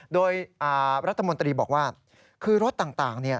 โดยรัฐมนตรีบอกว่าคือรถต่าง